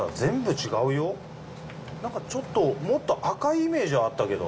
何かチョットもっと赤いイメージはあったけど。